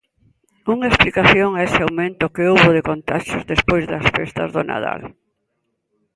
Unha explicación a ese aumento que houbo de contaxios despois das festas do Nadal.